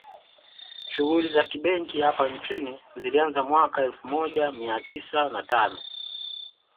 Shughuli za kibenki hapa nchini zilianza mwaka elfu moja mia tisa na tano